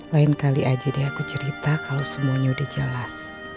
lain kali aja deh aku cerita kalau semuanya udah jelas